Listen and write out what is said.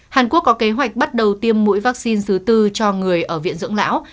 hàn quốc có kế hoạch bắt đầu tiêm mũi vaccine thứ tư cho người ở viện dưỡng lão